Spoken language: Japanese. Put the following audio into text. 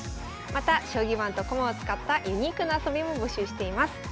また将棋盤と駒を使ったユニークな遊びも募集しています。